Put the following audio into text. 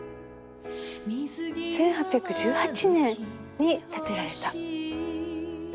１８１８年に建てられた。